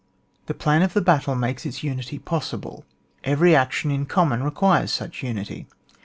The plan of the battle makes its unity possible ; every action in com mon requires such unity.